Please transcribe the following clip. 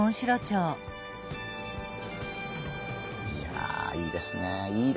いやいいですねいい。